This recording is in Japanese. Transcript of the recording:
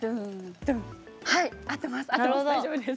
はい合ってます